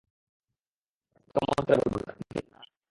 তাঁকে কেমন করে বলব যে, না।